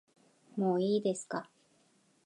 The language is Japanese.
もういいですか